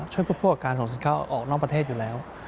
พวกการส่งสินค้าออกนอกประเทศอยู่แล้ว